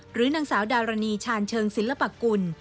นางสาวดารณีชาญเชิงศิลปกุล